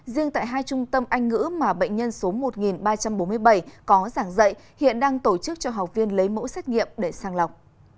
riêng tại hai trung tâm anh ngữ mà bệnh nhân số một ba trăm bốn mươi bảy có giảng dạy hiện đang tổ chức cho học viên lấy mẫu xét nghiệm để sang lọc